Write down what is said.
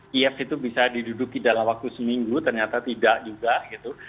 kiev itu bisa diduduki dalam waktu seminggu ternyata tidak juga gitu